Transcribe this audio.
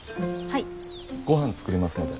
はい。